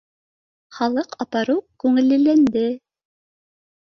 Халыҡ апаруҡ күңелләнде